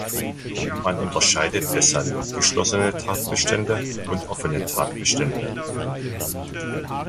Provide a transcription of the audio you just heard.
Man unterscheidet deshalb "abgeschlossene Tatbestände" und "offene Tatbestände.